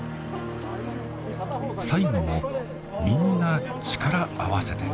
最後もみんな力合わせて。